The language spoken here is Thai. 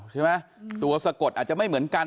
ใช่ไหมตัวสะกดอาจจะไม่เหมือนกัน